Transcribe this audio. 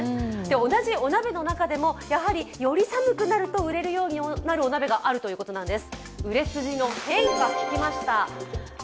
同じお鍋の中でもやはりより寒くなると売れるようになるお鍋があるということなんです。